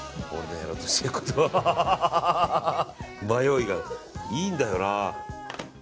迷いが。いいんだよな。